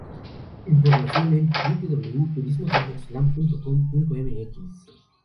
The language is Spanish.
Información en www.turismotepotzotlan.com.mx